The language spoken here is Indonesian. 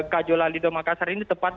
kajo lali domakassar ini tepat